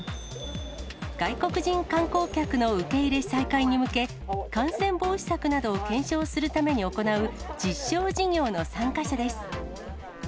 外国人観光客の受け入れ再開に向け、感染防止策などを検証するために行う実証事業の参加者です。